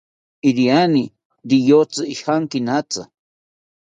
Iriani riyotzi ijankinatzi